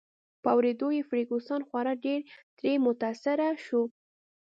په اوریدو یې فرګوسن خورا ډېر ترې متاثره شوه.